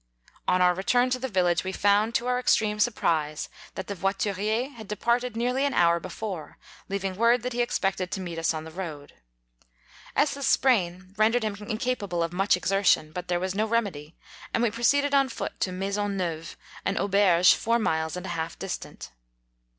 On our return to the village we found, to our extreme surprise, that the voiturier had departed nearly an hour before, leaving word that he ex pected to meet us on the road. Ss sprain rendered him incapable of much exertion ; but there was no remedy, and we proceeded on foot to Maison Neuve, an auberge, four miles and a half distant.